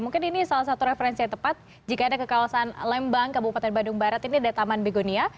mungkin ini salah satu referensi yang tepat jika anda ke kawasan lembang kabupaten bandung barat ini ada taman begonia